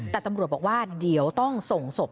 แต่ตำรวจบอกว่าเดี๋ยวต้องส่งศพ